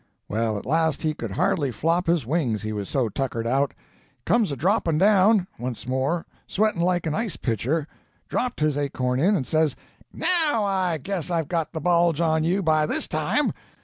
Well, at last he could hardly flop his wings, he was so tuckered out. He comes a dropping down, once more, sweating like an ice pitcher, dropped his acorn in and says, 'NOW I guess I've got the bulge on you by this time!'